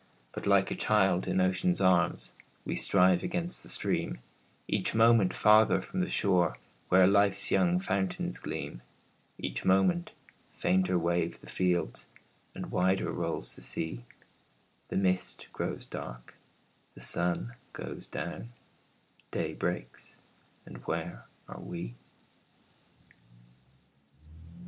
But, like a child in ocean's arms, We strive against the stream, Each moment farther from the shore Where life's young fountains gleam; Each moment fainter wave the fields, And wider rolls the sea; The mist grows dark, the sun goes down, Day breaks, and where are we?